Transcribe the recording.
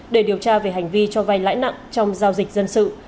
để điều tra về hành vi cho vay lãi nặng trong giao dịch dân sự